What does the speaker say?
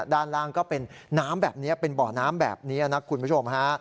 ด้านล่างก็เป็นน้ำแบบนี้เป็นบ่อน้ำแบบนี้นะคุณผู้ชมฮะ